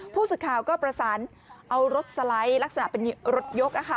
ผู้ศึกข่าวก็ประสานเอารถสไลด์ลักษณะเป็นรถยกอ่ะค่ะ